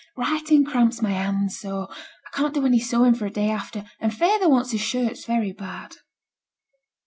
'Writing cramps my hand so, I can't do any sewing for a day after; and feyther wants his shirts very bad.'